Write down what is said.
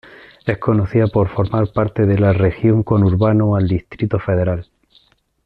Es conocida por formar parte de la región conurbano al distrito federal.